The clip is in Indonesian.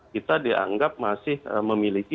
kita dianggap masih memiliki